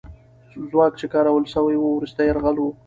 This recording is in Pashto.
ځواک چې کارول سوی وو، وروستی یرغل وو.